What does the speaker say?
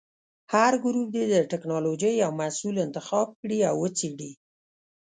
هر ګروپ دې د ټېکنالوجۍ یو محصول انتخاب کړي او وڅېړي.